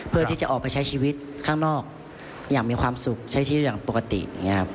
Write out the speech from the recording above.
เพื่อที่จะออกไปใช้ชีวิตข้างนอกอย่างมีความสุขใช้ชีวิตอย่างปกติอย่างนี้ครับ